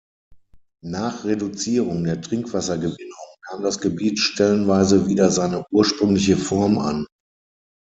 Nach Reduzierung der Trinkwassergewinnung nahm das Gebiet stellenweise wieder seine ursprüngliche Form an.